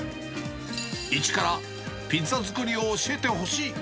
一からピッツァ作りを教えてほしい。